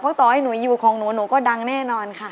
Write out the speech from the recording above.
เพราะต่อให้หนูอยู่ของหนูหนูก็ดังแน่นอนค่ะ